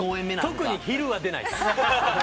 特に昼は出ないです。